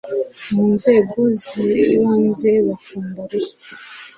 mu nzego zibanze bakunda ruswa